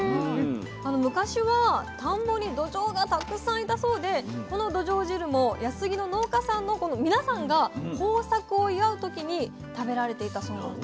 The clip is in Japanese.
昔は田んぼにどじょうがたくさんいたそうでこのどじょう汁も安来の農家さんの皆さんが豊作を祝う時に食べられていたそうなんですね。